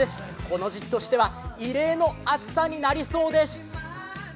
この時期としては異例の暑さになりそうです。